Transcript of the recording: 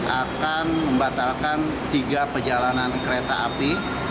akan membatalkan tiga perjalanan kereta api